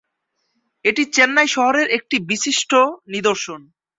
এটি চেন্নাই শহরের একটি বিশিষ্ট নিদর্শন।